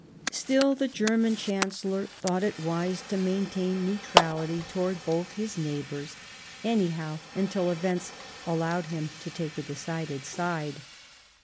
Still, the German Chancellor thought it wiser to maintain neutrality towards both his neighbours, anyhow until events allowed him to take a decided side.